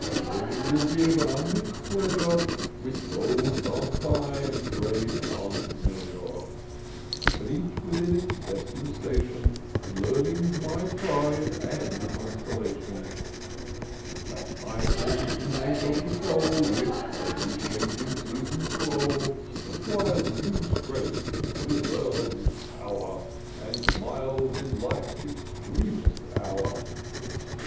" Learning will give an unmix'd pleasure, Which gold can't buy, and trade can't measure; But each within its destin'd station : Learning's my pride and consolation ; That high form'd inmate of the soul, Which, as the changing seasons roll, Acquires new strength, preserves its power, And smiles in life's extremest hour.